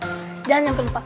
jangan nyampe lupa